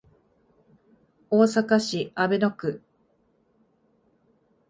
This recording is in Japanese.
大阪市阿倍野区